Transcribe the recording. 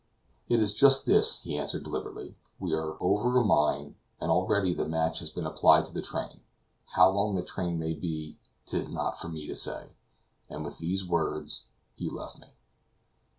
"It is just this," he answered deliberately, "we are over a mine, and already the match has been applied to the train. How long that train may be, 'tis not for me to say." And with these words he left me.